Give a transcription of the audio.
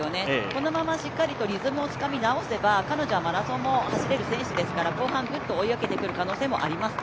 このまましっかりとリズムをつかみ直せば彼女はマラソンも走れる選手ですから後半グッと追い上げてくる可能性もあります。